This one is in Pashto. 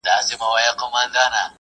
سمندر، سیندونه ډک سول له ماهیانو .